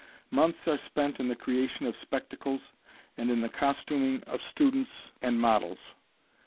Months are spent in the creation of spectacles and in the costuming of students and models.